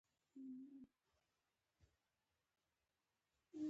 چي هغه ته په هر صورت ضعیف حدیث ویل کیږي.